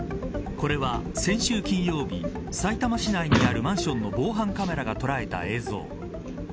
これは、先週金曜日さいたま市内にあるマンションの防犯カメラが捉えた映像。